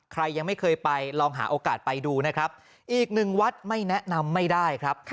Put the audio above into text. ยังไม่เคยไปลองหาโอกาสไปดูนะครับอีกหนึ่งวัดไม่แนะนำไม่ได้ครับ